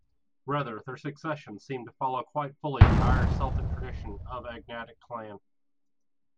Rather, their succession seems to follow quite fully the Irish-Celtic tradition of agnatic clan.